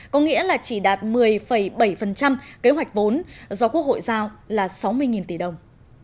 có nghĩa là chỉ đạt một mươi bảy kế hoạch vốn do quốc hội giao là sáu mươi tỷ đồng